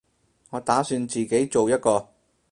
我打算自己做一個